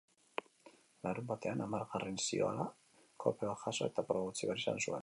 Larunbatean amargaren zioala golpe bat jaso eta proba utzi behar izan zuen.